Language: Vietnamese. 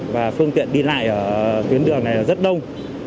và phương tiện đi lại ở tuyến đường này rất đông